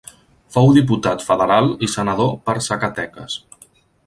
Fou Diputat Federal i Senador per Zacatecas.